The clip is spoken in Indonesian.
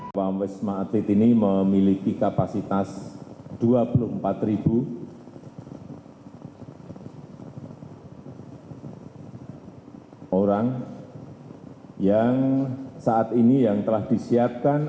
jokowi berharap rumah sakit ini tidak digunakan